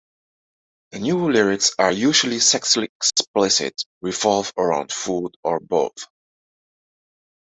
The new lyrics are usually sexually explicit, revolve around food, or both.